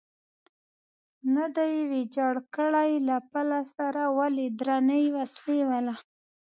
نه دی ویجاړ کړی، له پله سره ولې درنې وسلې والا.